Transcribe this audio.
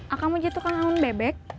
akang mau jadi tukang angon bebek